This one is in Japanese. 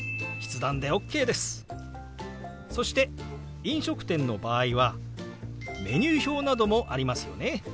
そして飲食店の場合はメニュー表などもありますよね。